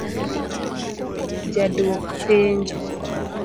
Ja dwok penjo: